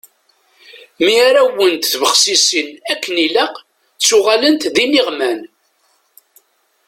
Mi ara wwent tbexsisin akken i ilaq, ttuɣalent d iniɣman.